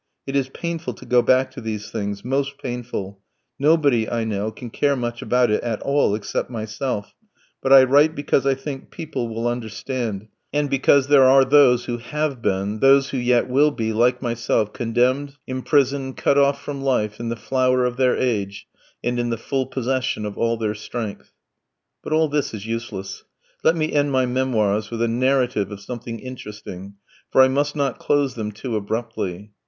It is painful to go back to these things, most painful; nobody, I know, can care much about it at all except myself; but I write because I think people will understand, and because there are those who have been, those who yet will be, like myself, condemned, imprisoned, cut off from life, in the flower of their age, and in the full possession of all their strength. But all this is useless. Let me end my memoirs with a narrative of something interesting, for I must not close them too abruptly.